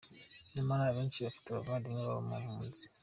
Nyamara abenshi bafite abavandimwe babo mu mpunzi.